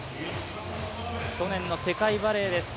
去年の世界バレーです。